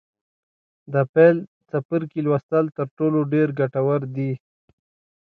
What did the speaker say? د پیل څپرکي لوستل تر ټولو ډېر ګټور دي.